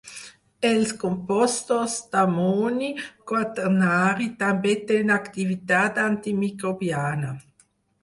Els compostos d'amoni quaternari també tenen activitat antimicrobiana.